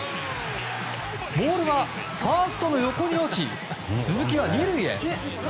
ボールはファーストの横に落ち鈴木は２塁へ。